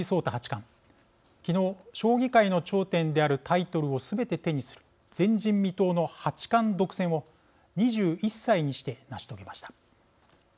冠昨日将棋界の頂点であるタイトルをすべて手にする前人未到の八冠独占を２１歳にして成し遂げました。